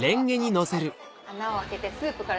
穴を開けてスープから。